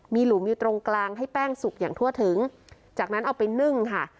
มีหลุมอยู่ตรงกลางให้แป้งสุกอย่างทั่วถึงจากนั้นเอาไปนึ่งค่ะ